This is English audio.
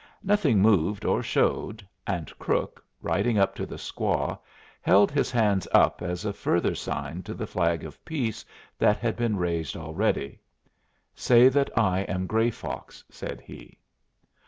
Nothing moved or showed, and Crook, riding up to the squaw, held his hand up as a further sign to the flag of peace that had been raised already. "Say that I am Gray Fox," said he.